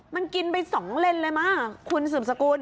มันกินไปสองเลนเลยมากคุณสุบสกุล